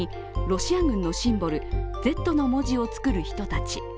ロシア軍のシンボル「Ｚ」の文字を作る人たち。